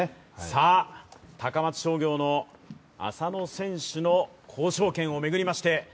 さあ、高松商業の浅野選手の交渉権を巡りまして。